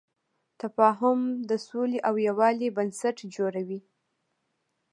تفاهم د سولې او یووالي بنسټ جوړوي.